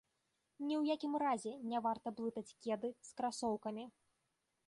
Ні ў якім разе не варта блытаць кеды з красоўкамі.